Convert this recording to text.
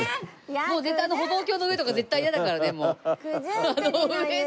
もう絶対歩道橋の上とか絶対嫌だからねもう！